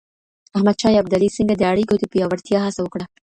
احمد شاه ابدالي څنګه د اړیکو د پیاوړتیا هڅه وکړه؟